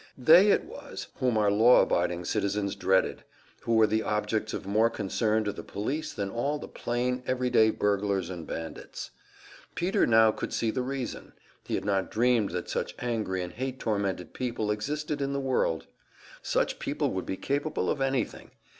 They it was whom our law abiding citizens dreaded, who were the objects of more concern to the police than all the plain, everyday burglars and bandits. Peter now could see the reason he had not dreamed that such angry and hate tormented people existed in the world. Such people would be capable of anything!